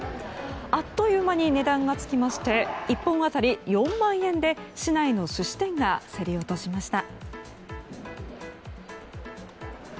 あっという間に値段がつきまして１本当たり４万円で市内の寿司店が競り落としました。